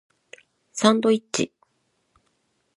サンドイッチ